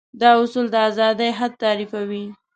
دا اصول د ازادي حد تعريفوي.